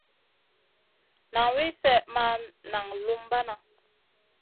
Nan wi slèh ma naŋ lumbana.